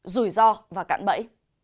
rủi ro và cạn bẫy